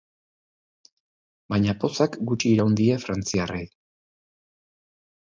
Baina pozak gutxi iraun die frantziarrei.